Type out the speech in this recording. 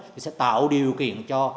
thì sẽ tạo điều kiện cho